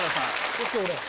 こっち俺。